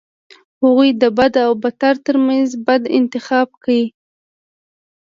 هغوی د بد او بدتر ترمنځ بد انتخاب کړي.